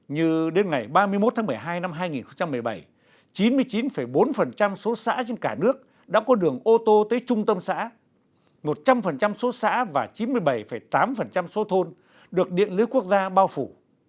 như đến ngày ba mươi một tháng một mươi hai năm hai nghìn một mươi bảy chín mươi chín bốn số xã trên cả nước đã có đường ô tô tới trung tâm xã một trăm linh số xã và chín mươi bảy tám số thôn được điện lưới quốc gia bao phủ